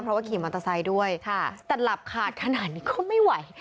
เพราะว่าขี่มอเตอร์ไซค์ด้วยแต่หลับขาดขนาดนี้ก็ไม่ไหว